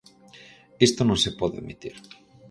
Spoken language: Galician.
Isto non se pode admitir.